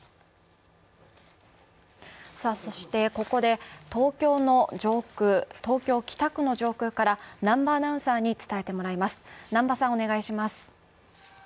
ここで東京・北区の上空から南波アナウンサーに伝えてもらいます。